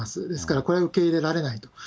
ですから、これは受け入れられないと。